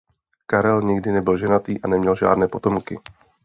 Karel nikdy nebyl ženatý a neměl žádné potomky.